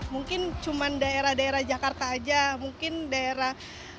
mungkin cuma daerah daerah jakarta saja mungkin daerah